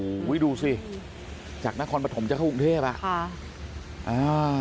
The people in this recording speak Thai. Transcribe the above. โอ้โหดูสิจากนครปฐมจะเข้ากรุงเทพอ่ะค่ะอ่า